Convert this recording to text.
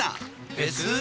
フェス？